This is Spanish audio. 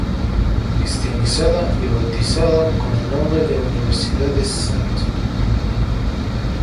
Cristianizada y bautizada con el nombre de Universidad de St.